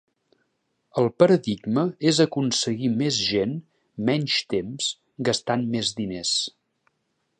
El paradigma és aconseguir més gent, menys temps, gastant més diners.